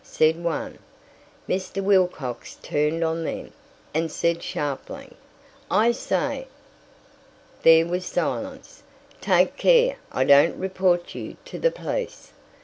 said one. Mr. Wilcox turned on them, and said sharply, "I say!" There was silence. "Take care I don't report you to the police."